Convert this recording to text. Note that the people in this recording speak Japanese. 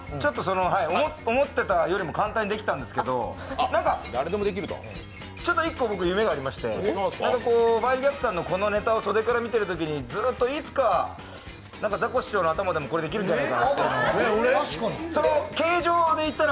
思っていたよりも簡単にできたんですけど、ちょっと一個、僕夢がありまして５ＧＡＰさんのネタを袖から見てるときにずっといつかザコシショウの頭でもこれできるんじゃないかなって。